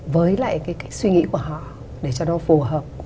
với lại cái suy nghĩ của họ để cho nó phù hợp